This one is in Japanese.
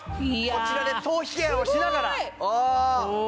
こちらで頭皮ケアをしながら。